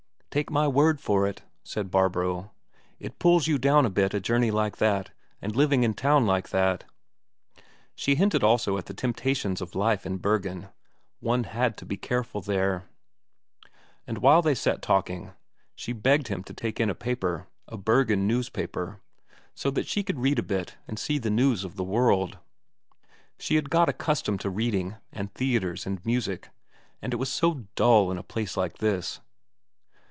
"Take my word for it," said Barbro, "it pulls you down a bit, a journey like that, and living in town like that." She hinted also at the temptations of life in Bergen one had to be careful there. But while they sat talking, she begged him to take in a paper a Bergen newspaper so that she could read a bit and see the news of the world. She had got accustomed to reading, and theatres and music, and it was so dull in a place like this.